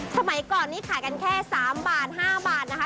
สมัยก่อนนี้ขายกันแค่๓บาท๕บาทนะคะ